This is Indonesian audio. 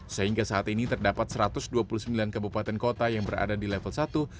sehingga saat ini terdapat satu ratus dua puluh sembilan kabupaten kota yang berada di level satu